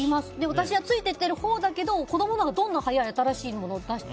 私はついて行ってるほうだけど子供はどんどん早く新しいものを出す。